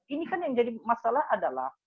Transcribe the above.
ini kan yang jadi masalah adalah